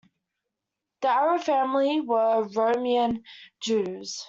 The Arrow family were Romanian Jews.